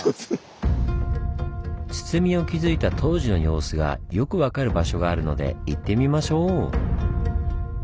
堤を築いた当時の様子がよく分かる場所があるので行ってみましょう！